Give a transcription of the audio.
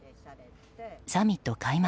サミット開幕